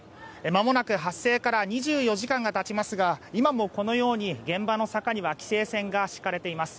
まもなく発生から２４時間がたちますが今もこのように現場の坂には規制線が敷かれています。